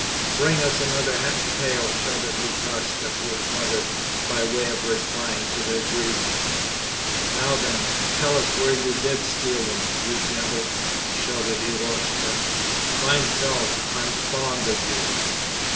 'Bring us another half pail,' shouted Lukashka to his mother, by way of reply to their greeting. 'Now then, tell us where did you steal them, you devil?' shouted Eroshka. 'Fine fellow, I'm fond of you!'